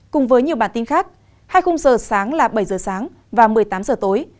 cùng với nhiều bản tin khác hai khung giờ sáng là bảy giờ sáng và một mươi tám giờ tối